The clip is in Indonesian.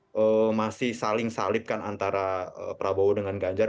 saya masih saling salipkan antara prabowo dengan ganjar